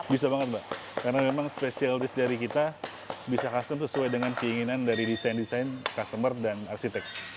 bisa banget mbak karena memang special risk dari kita bisa custom sesuai dengan keinginan dari desain desain customer dan arsitek